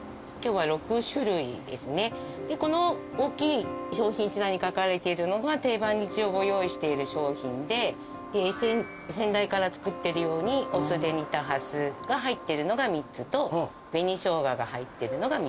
この大きい商品一覧に書かれているのが定番に一応ご用意している商品で先代から作っているようにお酢で煮たハスが入ってるのが３つと紅ショウガが入ってるのが３つ。